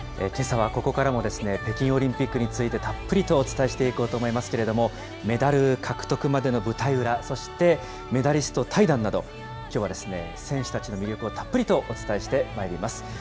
けさはここからも、北京オリンピックについて、たっぷりとお伝えしていこうと思いますけれども、メダル獲得までの舞台裏、そしてメダリスト対談など、きょうは選手たちの魅力をたっぷりとお伝えしてまいります。